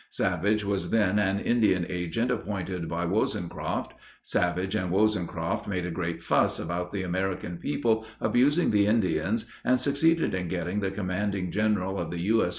Savage was then an Indian agent appointed by Wozencroft. Savage and Wozencroft made a great fuss about the American people abusing the Indians and succeeded in getting the Commanding General of the U.S.